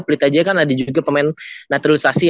pelita jaya kan ada juga pemain naturalisasi